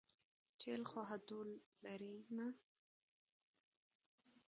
تېل خو هډو لري نه.